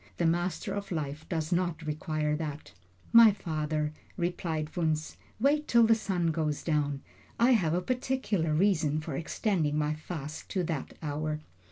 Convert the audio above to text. The Master of Life does not require that." "My father," replied Wunzh, "wait till the sun goes down. I have a particular reason for extending my fast to that hour."